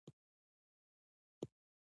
په ګرینلنډ کې زرګونه کلونه واوره ورېدلې ده